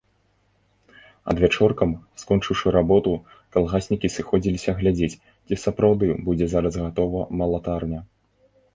Адвячоркам, скончыўшы работу, калгаснікі сыходзіліся глядзець, ці сапраўды будзе зараз гатова малатарня.